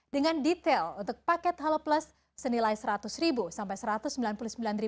dengan detail untuk paket halo plus senilai rp seratus sampai rp satu ratus sembilan puluh sembilan